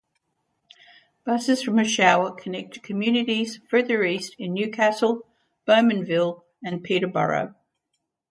Buses from Oshawa connect to communities further east in Newcastle, Bowmanville and Peterborough.